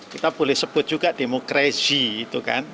kita boleh sebut juga demokresi